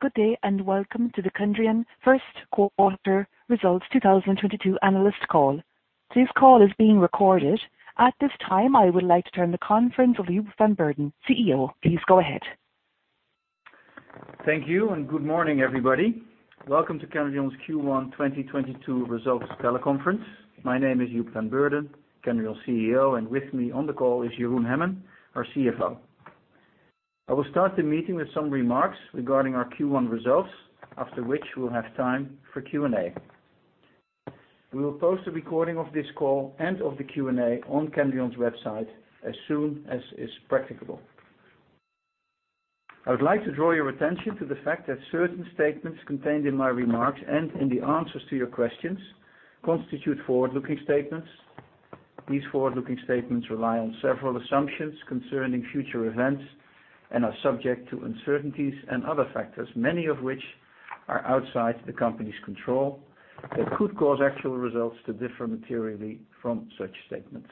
Good day, and welcome to the Kendrion first quarter results 2022 analyst call. This call is being recorded. At this time, I would like to turn the conference over to Joep van Beurden, CEO. Please go ahead. Thank you and good morning, everybody. Welcome to Kendrion's Q1 2022 results teleconference. My name is Joep van Beurden, Kendrion CEO, and with me on the call is Jeroen Hemmen, our CFO. I will start the meeting with some remarks regarding our Q1 results. After which, we'll have time for Q&A. We will post a recording of this call and of the Q&A on Kendrion's website as soon as is practicable. I would like to draw your attention to the fact that certain statements contained in my remarks and in the answers to your questions constitute forward-looking statements. These forward-looking statements rely on several assumptions concerning future events and are subject to uncertainties and other factors, many of which are outside the company's control, that could cause actual results to differ materially from such statements.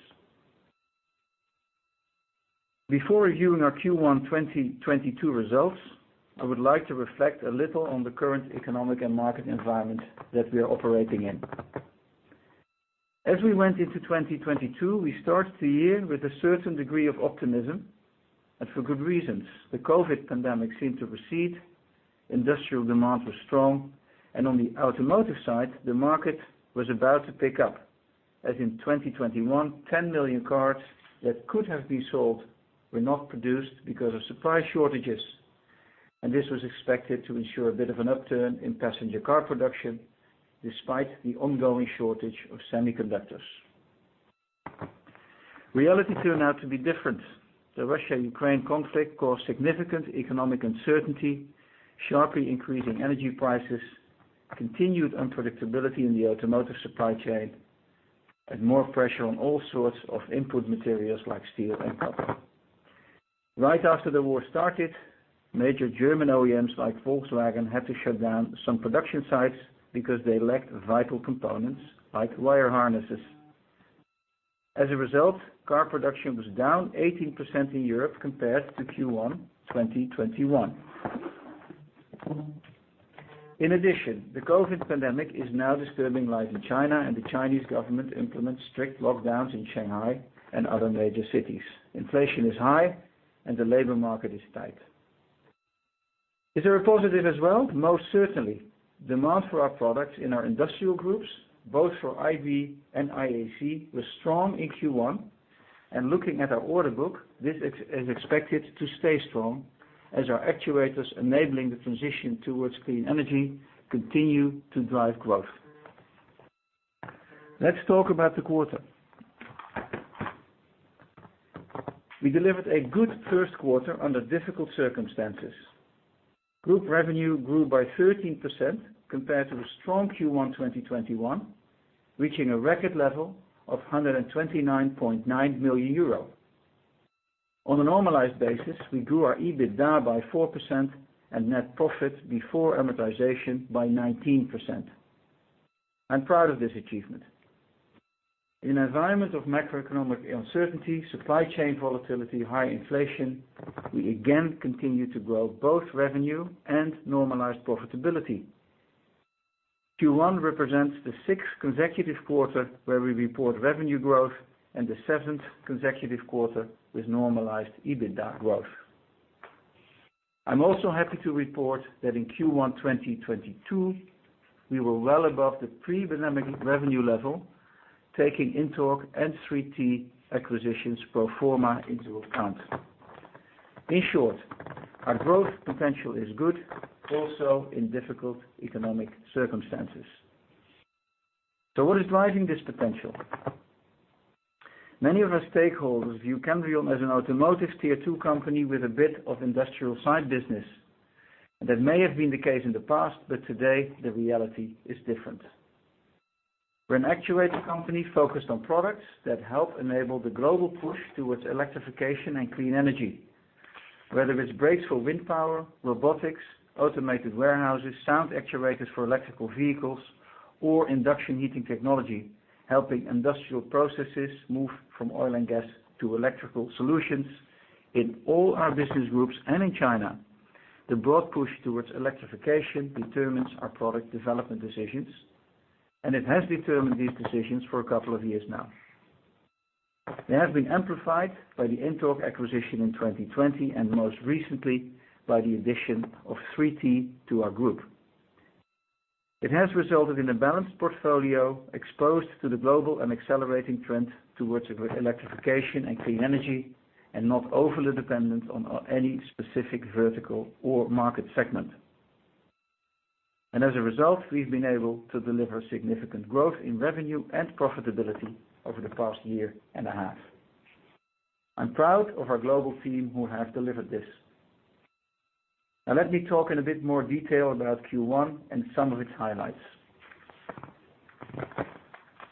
Before reviewing our Q1 2022 results, I would like to reflect a little on the current economic and market environment that we are operating in. As we went into 2022, we started the year with a certain degree of optimism, and for good reasons. The COVID pandemic seemed to recede, industrial demand was strong, and on the automotive side, the market was about to pick up. As in 2021, 10 million cars that could have been sold were not produced because of supply shortages, and this was expected to ensure a bit of an upturn in passenger car production despite the ongoing shortage of semiconductors. Reality turned out to be different. The Russia-Ukraine conflict caused significant economic uncertainty, sharply increasing energy prices, continued unpredictability in the automotive supply chain, and more pressure on all sorts of input materials like steel and copper. Right after the war started, major German OEMs like Volkswagen had to shut down some production sites because they lacked vital components like wire harnesses. As a result, car production was down 18% in Europe compared to Q1 2021. In addition, the COVID pandemic is now disturbing life in China, and the Chinese government implements strict lockdowns in Shanghai and other major cities. Inflation is high, and the labor market is tight. Is there a positive as well? Most certainly. Demand for our products in our industrial groups, both for IB and IAC, was strong in Q1. Looking at our order book, this is expected to stay strong as our actuators enabling the transition towards clean energy continue to drive growth. Let's talk about the quarter. We delivered a good first quarter under difficult circumstances. Group revenue grew by 13% compared to the strong Q1 2021, reaching a record level of 129.9 million euro. On a normalized basis, we grew our EBITDA by 4% and net profit before amortization by 19%. I'm proud of this achievement. In an environment of macroeconomic uncertainty, supply chain volatility, high inflation, we again continue to grow both revenue and normalized profitability. Q1 represents the sixth consecutive quarter where we report revenue growth and the seventh consecutive quarter with normalized EBITDA growth. I'm also happy to report that in Q1 2022, we were well above the pre-pandemic revenue level, taking INTORQ and 3T acquisitions pro forma into account. In short, our growth potential is good, also in difficult economic circumstances. What is driving this potential? Many of our stakeholders view Kendrion as an automotive Tier Two company with a bit of industrial side business. That may have been the case in the past, but today, the reality is different. We're an actuator company focused on products that help enable the global push towards electrification and clean energy. Whether it's brakes for wind power, robotics, automated warehouses, sound actuators for electric vehicles, or induction heating technology, helping industrial processes move from oil and gas to electrical solutions. In all our business groups and in China, the broad push towards electrification determines our product development decisions, and it has determined these decisions for a couple of years now. They have been amplified by the INTORQ acquisition in 2020, and most recently by the addition of 3T to our group. It has resulted in a balanced portfolio exposed to the global and accelerating trend towards electrification and clean energy, and not overly dependent on any specific vertical or market segment. As a result, we've been able to deliver significant growth in revenue and profitability over the past year and a half. I'm proud of our global team who have delivered this. Now, let me talk in a bit more detail about Q1 and some of its highlights.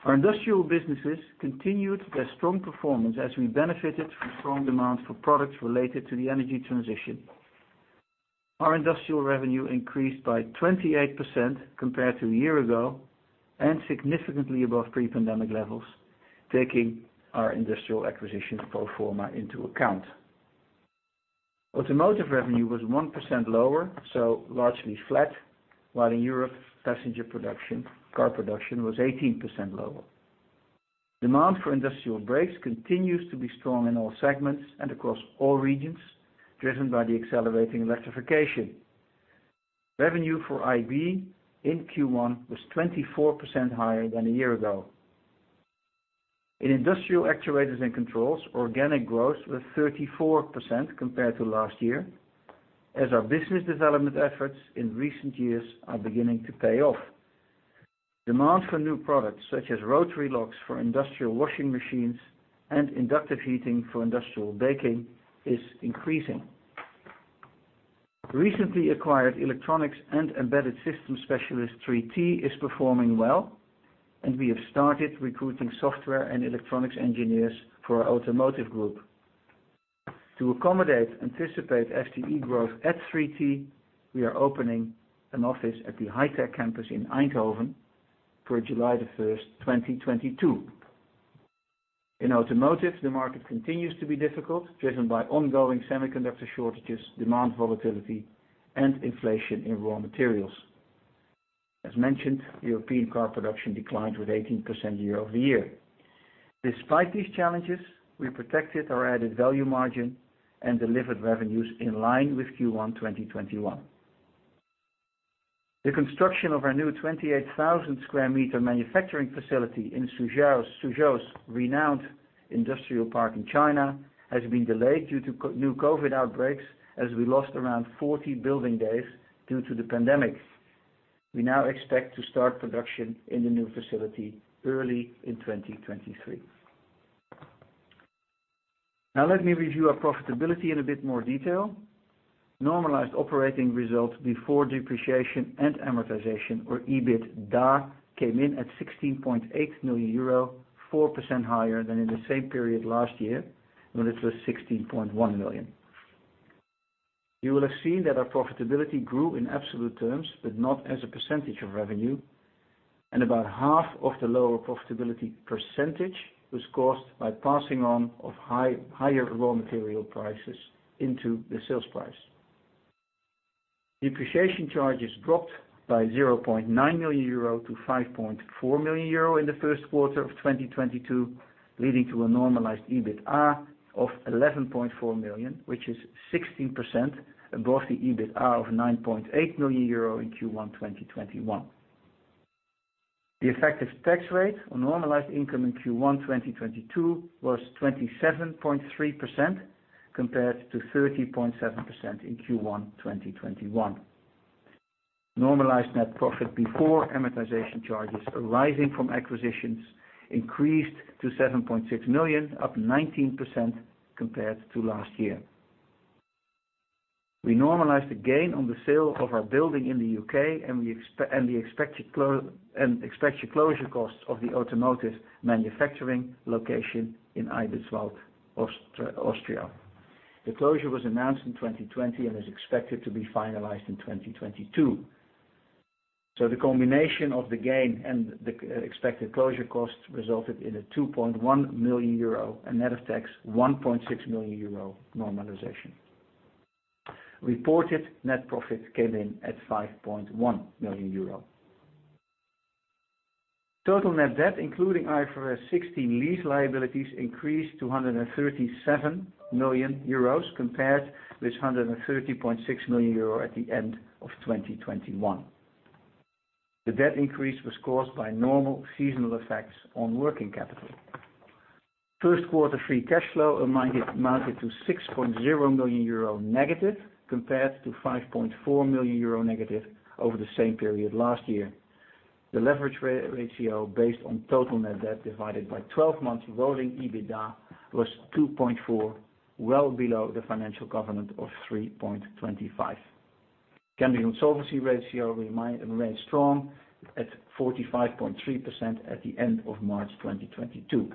Our industrial businesses continued their strong performance as we benefited from strong demands for products related to the energy transition. Our industrial revenue increased by 28% compared to a year ago and significantly above pre-pandemic levels. Taking our industrial acquisition pro forma into account. Automotive revenue was 1% lower, so largely flat, while in Europe, passenger production, car production was 18% lower. Demand for Industrial Brakes continues to be strong in all segments and across all regions, driven by the accelerating electrification. Revenue for IB in Q1 was 24% higher than a year ago. In industrial actuators and controls, organic growth was 34% compared to last year, as our business development efforts in recent years are beginning to pay off. Demand for new products, such as rotary locks for industrial washing machines and inductive heating for industrial baking, is increasing. Recently acquired electronics and embedded system specialist 3T is performing well, and we have started recruiting software and electronics engineers for our automotive group. To accommodate anticipated FTE growth at 3T, we are opening an office at the High Tech Campus in Eindhoven for July 1, 2022. In automotive, the market continues to be difficult, driven by ongoing semiconductor shortages, demand volatility, and inflation in raw materials. As mentioned, European car production declined with 18% year-over-year. Despite these challenges, we protected our added value margin and delivered revenues in line with Q1 2021. The construction of our new 28,000 square meter manufacturing facility in Suzhou's renowned industrial park in China has been delayed due to COVID-19 outbreaks, as we lost around 40 building days due to the pandemic. We now expect to start production in the new facility early in 2023. Now let me review our profitability in a bit more detail. Normalized operating results before depreciation and amortization, or EBITDA, came in at 16.8 million euro, 4% higher than in the same period last year when it was 16.1 million. You will have seen that our profitability grew in absolute terms, but not as a percentage of revenue, and about half of the lower profitability percentage was caused by passing on of high, higher raw material prices into the sales price. Depreciation charges dropped by 0.9 million euro to 5.4 million euro in the first quarter of 2022, leading to a normalized EBITDA of 11.4 million, which is 16% above the EBITDA of 9.8 million euro in Q1 2021. The effective tax rate on normalized income in Q1 2022 was 27.3% compared to 30.7% in Q1 2021. Normalized net profit before amortization charges arising from acquisitions increased to 7.6 million, up 19% compared to last year. We normalized a gain on the sale of our building in the U.K. and the expected closure costs of the automotive manufacturing location in Eibiswald, Austria. The closure was announced in 2020 and is expected to be finalized in 2022. The combination of the gain and the expected closure costs resulted in a 2.1 million euro and net of tax 1.6 million euro normalization. Reported net profit came in at 5.1 million euro. Total net debt, including IFRS 16 lease liabilities, increased to 137 million euros compared with 130.6 million euro at the end of 2021. The debt increase was caused by normal seasonal effects on working capital. First quarter free cash flow amounted to negative 6.0 million euro compared to negative 5.4 million euro over the same period last year. The leverage ratio based on total net debt divided by twelve months rolling EBITDA was 2.4, well below the financial covenant of 3.25. Kendrion solvency ratio remains strong at 45.3% at the end of March 2022.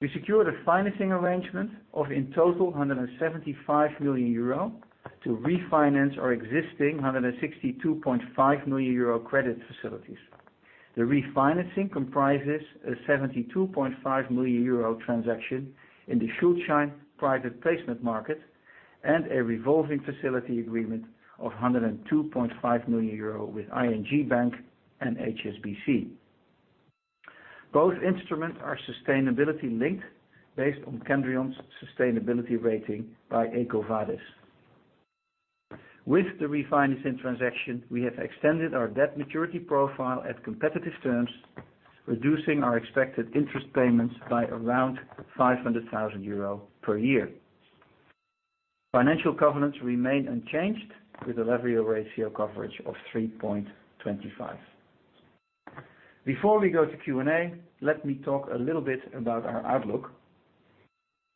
We secured a financing arrangement of in total 175 million euro to refinance our existing 162.5 million euro credit facilities. The refinancing comprises a 72.5 million euro transaction in the Schuldschein private placement market and a revolving facility agreement of 102.5 million euro with ING Bank and HSBC. Both instruments are sustainability-linked based on Kendrion's sustainability rating by EcoVadis. With the refinancing transaction, we have extended our debt maturity profile at competitive terms, reducing our expected interest payments by around 500,000 euro per year. Financial covenants remain unchanged with a leverage ratio coverage of 3.25. Before we go to Q&A, let me talk a little bit about our outlook.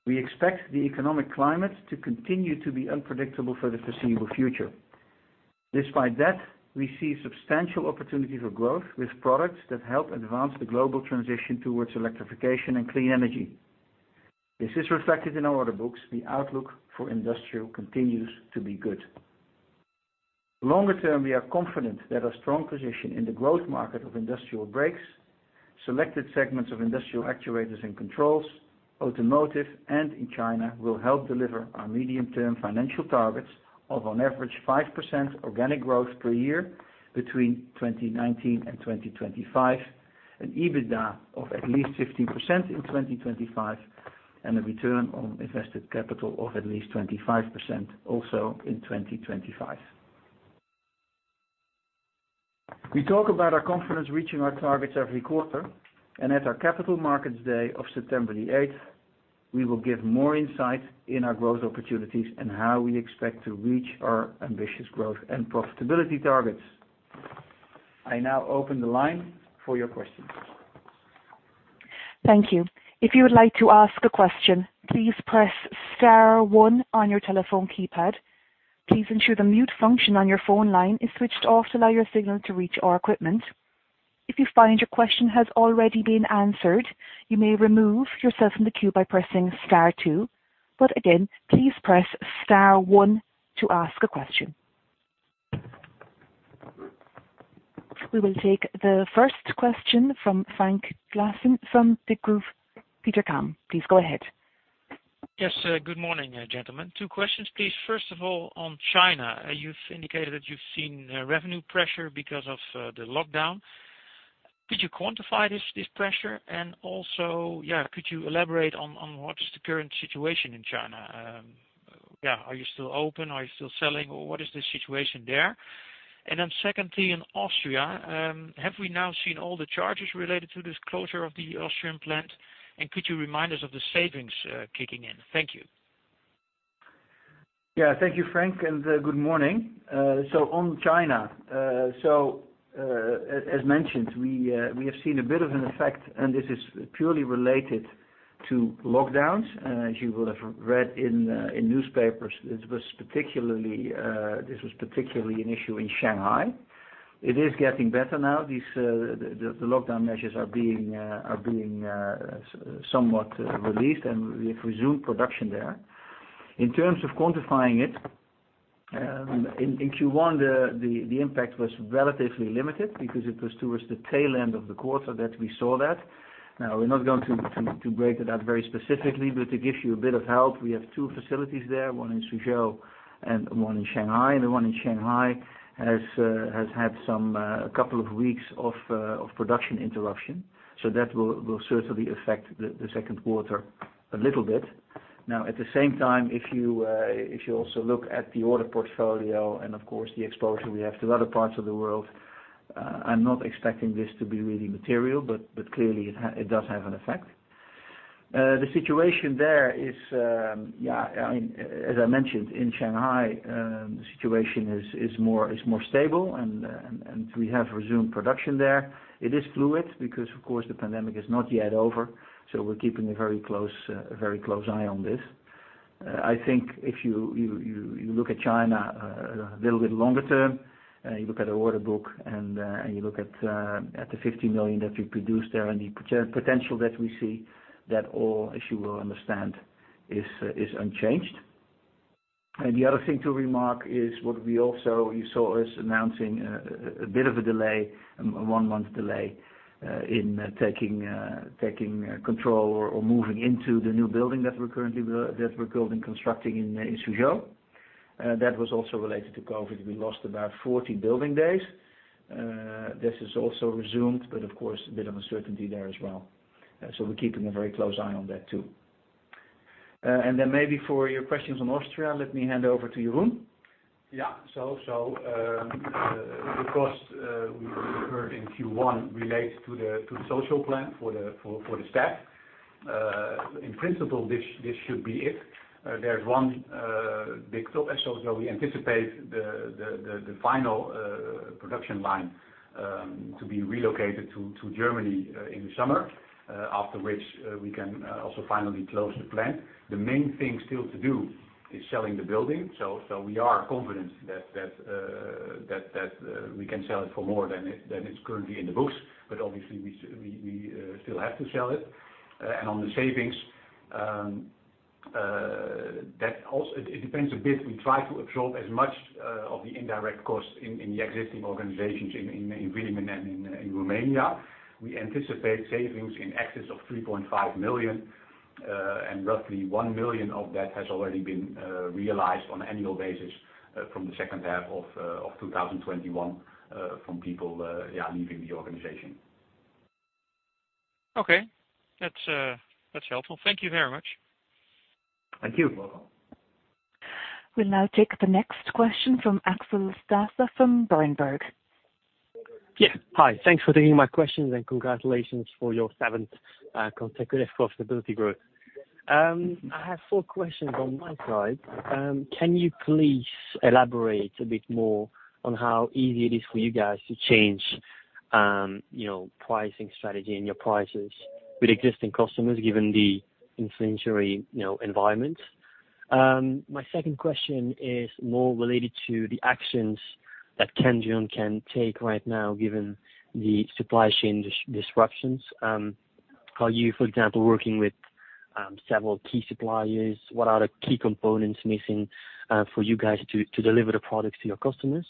We expect the economic climate to continue to be unpredictable for the foreseeable future. Despite that, we see substantial opportunity for growth with products that help advance the global transition towards electrification and clean energy. This is reflected in our order books. The outlook for industrial continues to be good. Longer term, we are confident that our strong position in the growth market of Industrial Brakes, selected segments of industrial actuators and controls, automotive, and in China will help deliver our medium-term financial targets of on average 5% organic growth per year between 2019 and 2025. An EBITDA of at least 15% in 2025, and a return on invested capital of at least 25% also in 2025. We talk about our confidence reaching our targets every quarter, and at our Capital Markets Day of September 8, we will give more insight in our growth opportunities and how we expect to reach our ambitious growth and profitability targets. I now open the line for your questions. Thank you. If you would like to ask a question, please press star one on your telephone keypad. Please ensure the mute function on your phone line is switched off to allow your signal to reach our equipment. If you find your question has already been answered, you may remove yourself from the queue by pressing star two. But again, please press star one to ask a question. We will take the first question from Frank Claassen from Degroof Petercam. Please go ahead. Yes, good morning, gentlemen. Two questions, please. First of all, on China, you've indicated that you've seen revenue pressure because of the lockdown. Could you quantify this pressure? Also, could you elaborate on what is the current situation in China? Are you still open? Are you still selling, or what is the situation there? Then secondly, in Austria, have we now seen all the charges related to this closure of the Austrian plant? And could you remind us of the savings kicking in? Thank you. Yeah. Thank you, Frank, and good morning. On China. As mentioned, we have seen a bit of an effect, and this is purely related to lockdowns. As you will have read in the newspapers, this was particularly an issue in Shanghai. It is getting better now. These lockdown measures are being somewhat released, and we've resumed production there. In terms of quantifying it, in Q1, the impact was relatively limited because it was towards the tail end of the quarter that we saw that. Now, we're not going to break it out very specifically, but to give you a bit of help, we have two facilities there, one in Suzhou and one in Shanghai. The one in Shanghai has had some a couple of weeks of production interruption. That will certainly affect the second quarter a little bit. Now, at the same time, if you also look at the order portfolio and of course the exposure we have to other parts of the world, I'm not expecting this to be really material, but clearly it does have an effect. The situation there is, yeah, I mean, as I mentioned in Shanghai, the situation is more stable and we have resumed production there. It is fluid because, of course, the pandemic is not yet over, so we're keeping a very close eye on this. I think if you look at China a little bit longer term, and you look at the order book and you look at the 50 million that we produced there and the potential that we see that all, as you will understand, is unchanged. The other thing to remark is what we also, you saw us announcing a bit of a delay, a one-month delay, in taking control or moving into the new building that we're currently building, constructing in Suzhou. That was also related to COVID. We lost about 40 building days. This is also resumed, but of course a bit of uncertainty there as well. We're keeping a very close eye on that too. Maybe for your questions on Austria, let me hand over to Jeroen. The cost we heard in Q1 relates to the social plan for the staff. In principle, this should be it. There's one big so we anticipate the final production line to be relocated to Germany in the summer, after which we can also finally close the plant. The main thing still to do is selling the building. We are confident that we can sell it for more than it's currently in the books, but obviously we still have to sell it. On the savings, that also it depends a bit. We try to absorb as much of the indirect costs in the existing organizations in Villingen and in Romania. We anticipate savings in excess of 3.5 million, and roughly 1 million of that has already been realized on annual basis, from the second half of 2021, from people leaving the organization. Okay. That's helpful. Thank you very much. Thank you. You're welcome. We'll now take the next question from Axel Stasse from Berenberg. Yeah. Hi. Thanks for taking my questions and congratulations for your seventh consecutive profitability growth. I have four questions on my side. Can you please elaborate a bit more on how easy it is for you guys to change pricing strategy and your prices with existing customers given the inflationary environment? My second question is more related to the actions that Kendrion can take right now given the supply chain disruptions. Are you, for example, working with Several key suppliers. What are the key components missing for you guys to deliver the products to your customers?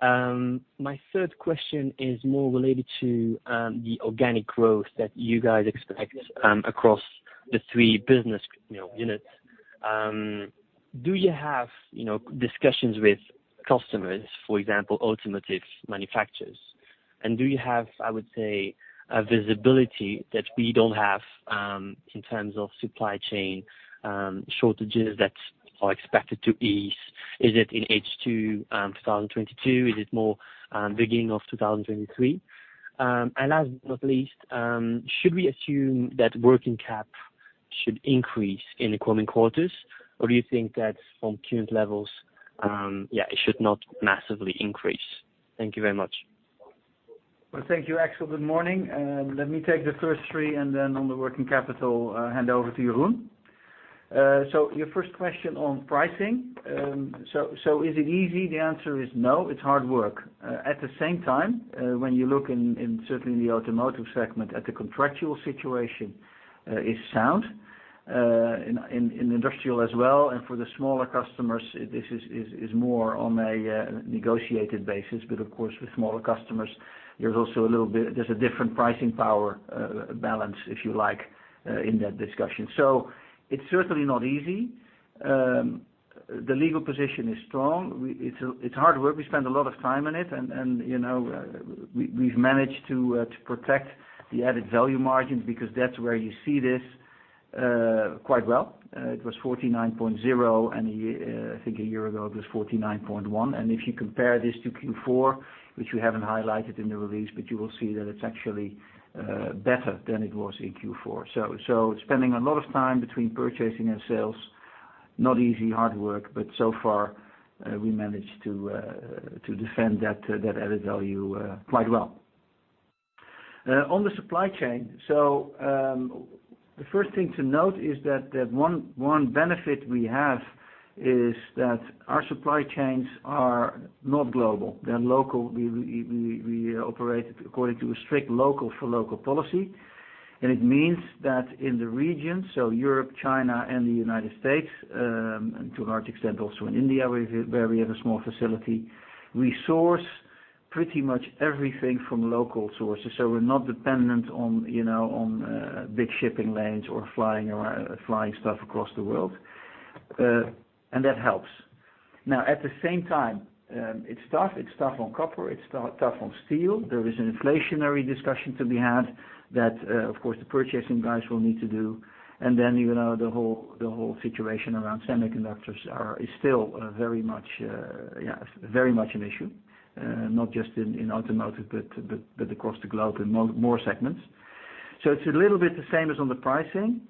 My third question is more related to the organic growth that you guys expect across the three business, you know, units. Do you have discussions with customers, for example, automotive manufacturers? Do you have, I would say, a visibility that we don't have in terms of supply chain shortages that are expected to ease? Is it in H2 2022? Is it more beginning of 2023? Last but not least, should we assume that working cap should increase in the coming quarters, or do you think that from current levels yeah, it should not massively increase? Thank you very much. Well, thank you, Axel. Good morning. Let me take the first three, and then on the working capital, hand over to Jeroen. Your first question on pricing. So, is it easy? The answer is no, it's hard work. At the same time, when you look in, certainly in the automotive segment at the contractual situation, is sound, in industrial as well. For the smaller customers this is more on a negotiated basis. Of course, with smaller customers, there's also a little bit, there's a different pricing power, balance, if you like, in that discussion. It's certainly not easy. The legal position is strong. It's hard work. We spend a lot of time on it, you know, we've managed to protect the added value margins because that's where you see this quite well. It was 49.0%, and a year ago I think it was 49.1%. If you compare this to Q4, which we haven't highlighted in the release, but you will see that it's actually better than it was in Q4. Spending a lot of time between purchasing and sales, not easy, hard work, but so far we managed to defend that added value quite well. On the supply chain, the first thing to note is that the one benefit we have is that our supply chains are not global, they're local. We operate according to a strict local-for-local policy, and it means that in the region, so Europe, China and the United States, and to a large extent also in India, where we have a small facility, we source pretty much everything from local sources. We're not dependent on, you know, on big shipping lanes or flying stuff across the world. That helps. Now, at the same time, it's tough. It's tough on copper, it's tough on steel. There is an inflationary discussion to be had that, of course, the purchasing guys will need to do. You know, the whole situation around semiconductors is still very much yeah, very much an issue. Not just in automotive, but across the globe in more segments. It's a little bit the same as on the pricing.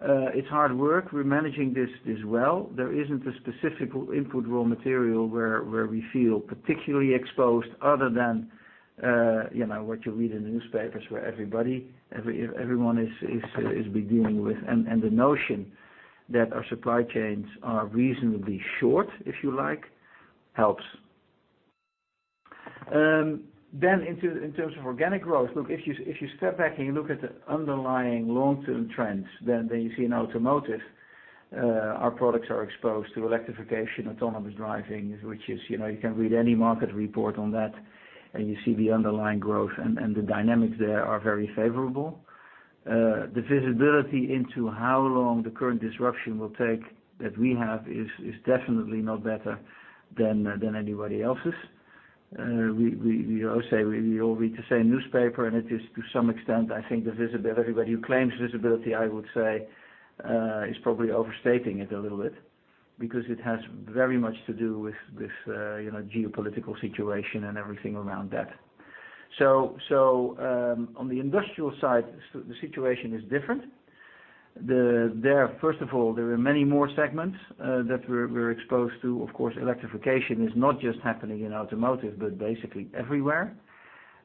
It's hard work. We're managing this well. There isn't a specific input raw material where we feel particularly exposed other than, you know, what you read in the newspapers where everybody, everyone is dealing with. The notion that our supply chains are reasonably short, if you like, helps. Then in terms of organic growth, look, if you step back and you look at the underlying long-term trends, then you see in automotive, our products are exposed to electrification, autonomous driving, which is, you know, you can read any market report on that and you see the underlying growth and the dynamics there are very favorable. The visibility into how long the current disruption will take that we have is definitely not better than anybody else's. We all say we all read the same newspaper, and it is to some extent, I think the visibility, anybody who claims visibility, I would say, is probably overstating it a little bit because it has very much to do with this, you know, geopolitical situation and everything around that. On the industrial side, the situation is different. There, first of all, there are many more segments that we're exposed to. Of course, electrification is not just happening in automotive, but basically everywhere.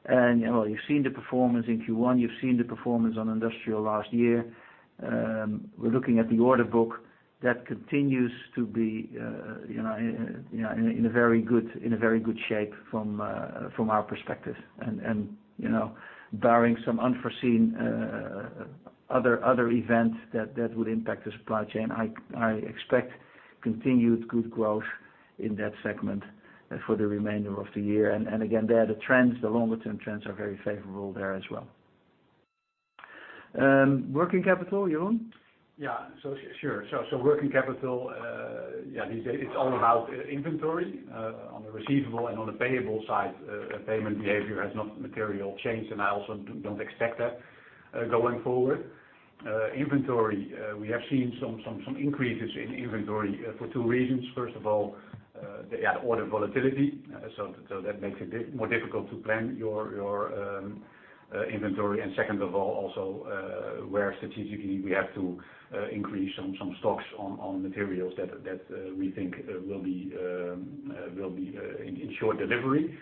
Well, you've seen the performance in Q1, you've seen the performance on industrial last year. We're looking at the order book that continues to be, you know, in a very good shape from our perspective. You know, barring some unforeseen other events that would impact the supply chain, I expect continued good growth in that segment for the remainder of the year. Again, there the trends, the longer-term trends are very favorable there as well. Working capital, Jeroen? Yeah. Sure. Working capital, it's all about inventory. On the receivable and on the payable side, payment behavior has not materially changed, and I also don't expect that going forward. Inventory, we have seen some increases in inventory for two reasons. First of all, order volatility. That makes it more difficult to plan your inventory. Second of all, strategically we have to increase some stocks on materials that we think will be in short delivery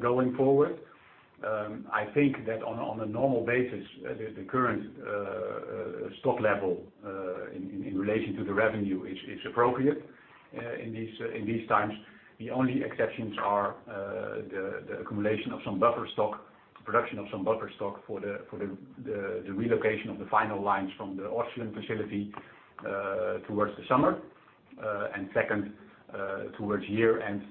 going forward. I think that on a normal basis, the current stock level. In relation to the revenue is appropriate in these times. The only exceptions are the accumulation of some buffer stock, the production of some buffer stock for the relocation of the final lines from the Austrian facility towards the summer. Second, towards year-end,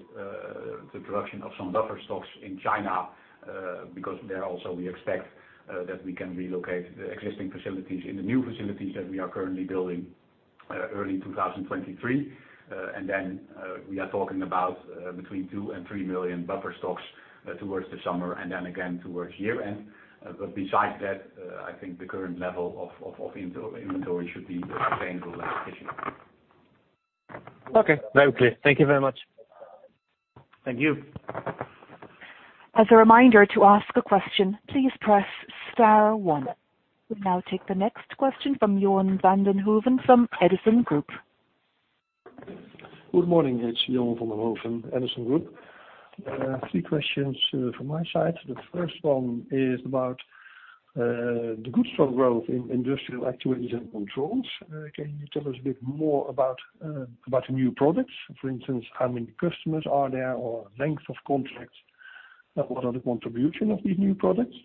the production of some buffer stocks in China because there also we expect that we can relocate the existing facilities in the new facilities that we are currently building early 2023. Then, we are talking about between 2 million and 3 million buffer stocks towards the summer and then again towards year-end. Besides that, I think the current level of inventory should be sustainable. Okay. Very clear. Thank you very much. Thank you. As a reminder, to ask a question, please press star one. We'll now take the next question from Johan van den Hooven from Edison Group. Good morning, it's Johan van den Hooven, Edison Group. Three questions from my side. The first one is about the good strong growth in industrial activities and controls. Can you tell us a bit more about the new products? For instance, how many customers are there or length of contracts? What are the contribution of these new products?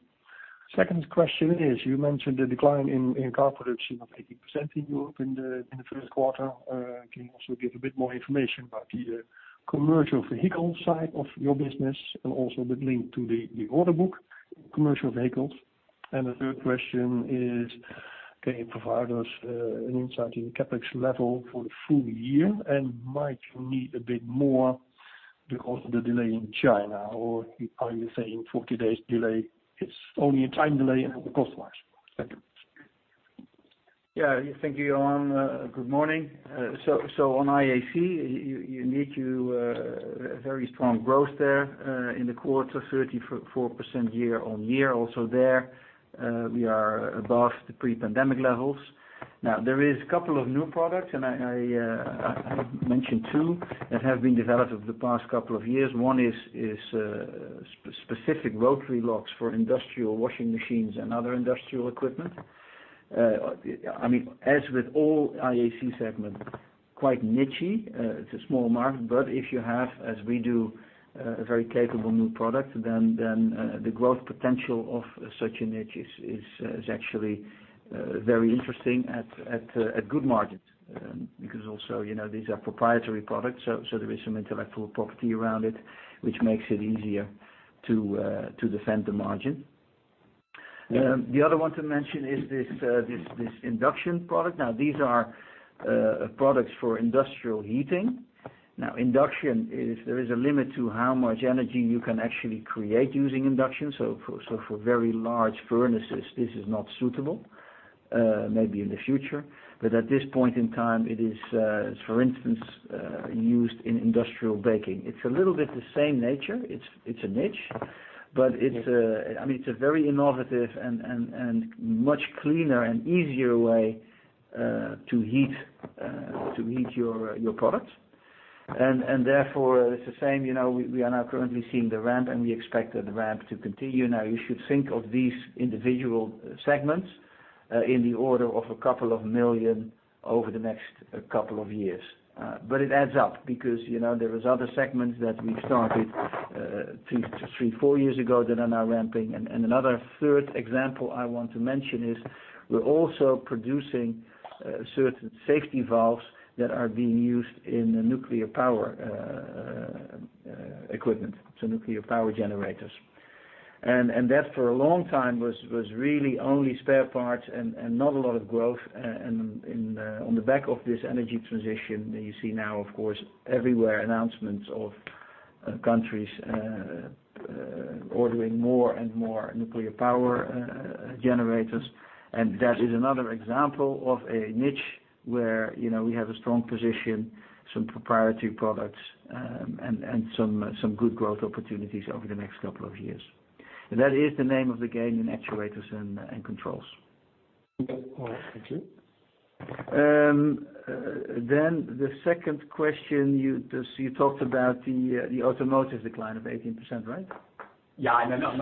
Second question is, you mentioned the decline in car production of 18% in Europe in the first quarter. Can you also give a bit more information about the commercial vehicle side of your business and also the link to the order book, commercial vehicles. The third question is, can you provide us an insight in the CapEx level for the full year? Might you need a bit more because of the delay in China, or are you saying 40 days delay, it's only a time delay and cost wise? Thank you. Yeah. Thank you, Johan. Good morning. So on IAC, uniquely very strong growth there in the quarter, 34% year-on-year. Also there, we are above the pre-pandemic levels. Now there is a couple of new products, and I I'll mention two that have been developed over the past couple of years. One is specific rotary locks for industrial washing machines and other industrial equipment. I mean, as with all IAC segment, quite niche. It's a small market, but if you have, as we do, a very capable new product, then the growth potential of such a niche is actually very interesting at good margins. Because also, you know, these are proprietary products, so there is some intellectual property around it which makes it easier to defend the margin. The other one to mention is this induction product. Now, these are products for industrial heating. Now induction, there is a limit to how much energy you can actually create using induction. So for very large furnaces, this is not suitable, maybe in the future, but at this point in time, it is for instance used in industrial baking. It's a little bit the same nature. It's a niche, but I mean, it's a very innovative and much cleaner and easier way to heat your products. Therefore it's the same, you know, we are now currently seeing the ramp, and we expect that the ramp to continue. Now you should think of these individual segments in the order of a couple of million over the next couple of years. But it adds up because, you know, there is other segments that we started 3 or 4 years ago that are now ramping. A third example I want to mention is we're also producing certain safety valves that are being used in the nuclear power equipment, so nuclear power generators. That for a long time was really only spare parts and not a lot of growth. On the back of this energy transition, you see now, of course, everywhere announcements of countries ordering more and more nuclear power generators. That is another example of a niche where, you know, we have a strong position, some proprietary products and some good growth opportunities over the next couple of years. That is the name of the game in actuators and controls. All right. Thank you. The second question you, so you talked about the automotive decline of 18%, right? Yeah. I mean on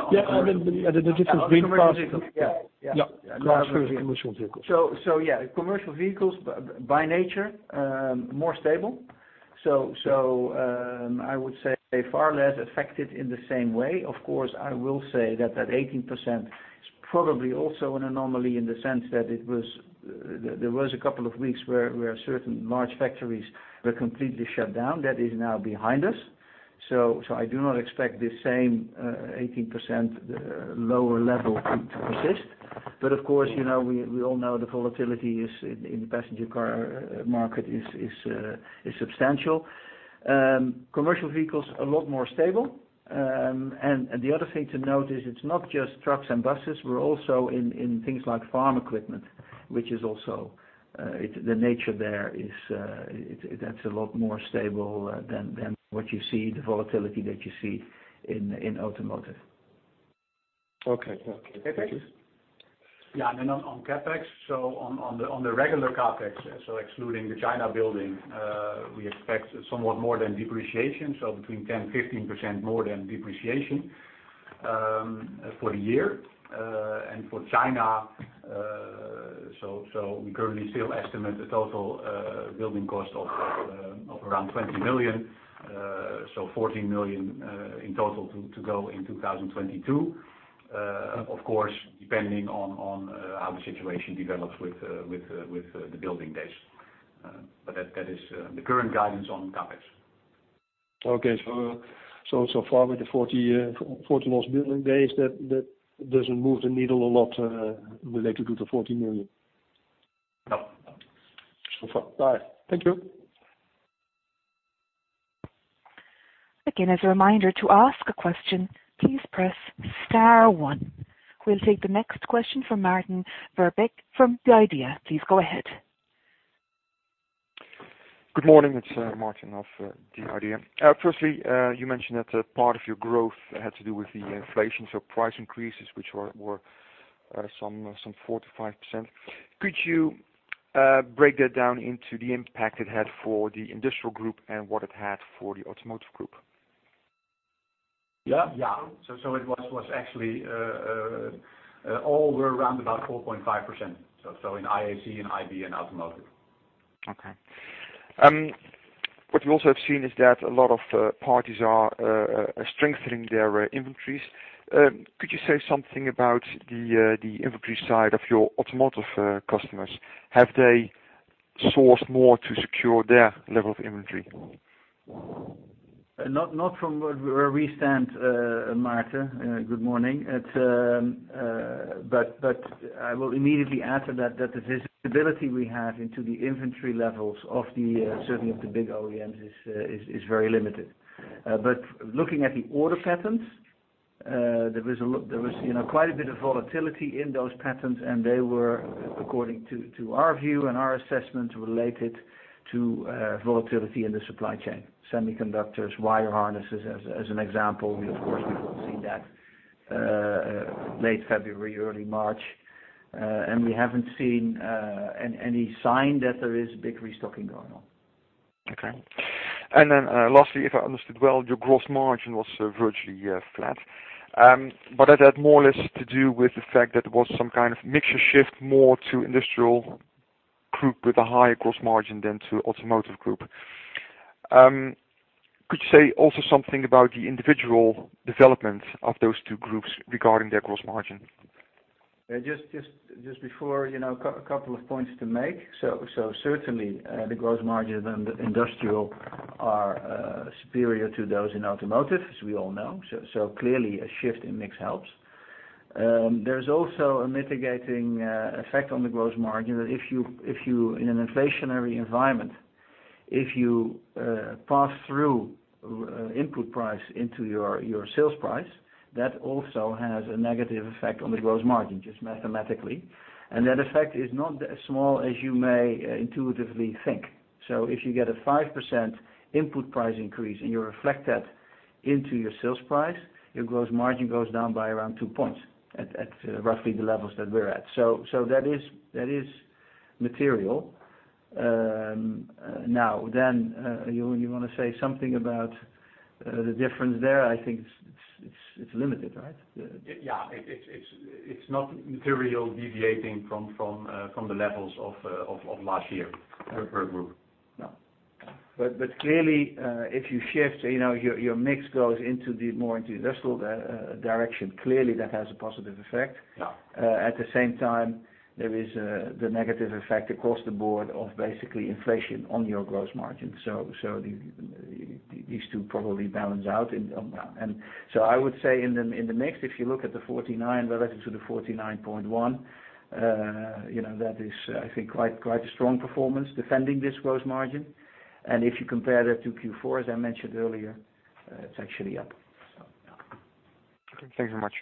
commercial vehicles. Yeah. Commercial vehicles. Yeah, commercial vehicles by nature more stable. I would say far less affected in the same way. Of course, I will say that 18% is probably also an anomaly in the sense that it was, there was a couple of weeks where certain large factories were completely shut down. That is now behind us. I do not expect the same 18% lower level to persist. But of course, you know, we all know the volatility is in the passenger car market is substantial. Commercial vehicles a lot more stable. And the other thing to note is it's not just trucks and buses, we're also in things like farm equipment, which is also the nature there is, that's a lot more stable than what you see, the volatility that you see in automotive. Okay. Thank you. CapEx? Yeah. On CapEx, on the regular CapEx, excluding the China building, we expect somewhat more than depreciation, between 10%-15% more than depreciation. For the year and for China, we currently still estimate a total building cost of around 20 million. Fourteen million in total to go in 2022. Of course, depending on how the situation develops with the building delays. That is the current guidance on CapEx. Okay. So far with the 40 lost building days that doesn't move the needle a lot, related to the 40 million? No. So far. All right. Thank you. Again, as a reminder to ask a question, please press star one. We'll take the next question from Maarten Verbeek from The IDEA!. Please go ahead. Good morning. It's Maarten of The IDEA!. Firstly, you mentioned that a part of your growth had to do with the inflation, so price increases, which were some 4%-5%. Could you break that down into the impact it had for the industrial group and what it had for the automotive group? Yeah. It was actually all around about 4.5%. In IAC, IB and automotive. Okay. What we also have seen is that a lot of parties are strengthening their inventories. Could you say something about the inventory side of your automotive customers? Have they sourced more to secure their level of inventory? Not from where we stand, Maarten. Good morning. I will immediately add to that the visibility we have into the inventory levels of the, certainly of the big OEMs is very limited. Looking at the order patterns, there is, you know, quite a bit of volatility in those patterns, and they were according to our view and our assessment related to volatility in the supply chain. Semiconductors, wire harnesses as an example. Of course, we've all seen that, late February, early March. We haven't seen any sign that there is a big restocking going on. Okay. Lastly, if I understood well, your gross margin was virtually flat. But that had more or less to do with the fact that there was some kind of mixture shift more to industrial group with a higher gross margin than to automotive group. Could you say also something about the individual development of those two groups regarding their gross margin? Just before, you know, a couple of points to make. Certainly the gross margin in the industrial are superior to those in automotive, as we all know. Clearly a shift in mix helps. There's also a mitigating effect on the gross margin if you in an inflationary environment, if you pass through input price into your sales price, that also has a negative effect on the gross margin, just mathematically. That effect is not as small as you may intuitively think. If you get a 5% input price increase and you reflect that into your sales price, your gross margin goes down by around 2 points at roughly the levels that we're at. That is material. Now then, you wanna say something about the difference there? I think it's limited, right? Yeah. It's not materially deviating from the levels of last year per group. No. Clearly, if you shift, you know, your mix goes into the more industrial direction, clearly that has a positive effect. Yeah. At the same time, there is the negative effect across the board of basically inflation on your gross margin. These two probably balance out. I would say in the mix, if you look at the 49% related to the 49.1%, you know, that is, I think, quite a strong performance defending this gross margin. If you compare that to Q4, as I mentioned earlier, it's actually up. Okay. Thank you very much.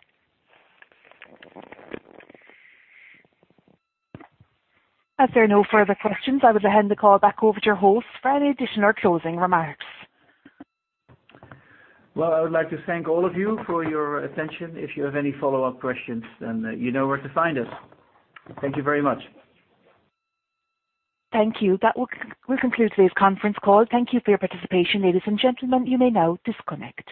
As there are no further questions, I would hand the call back over to your host for any additional closing remarks. Well, I would like to thank all of you for your attention. If you have any follow-up questions, then you know where to find us. Thank you very much. Thank you. That will conclude today's conference call. Thank you for your participation. Ladies and gentlemen, you may now disconnect.